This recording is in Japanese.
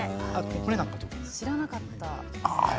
知らなかった。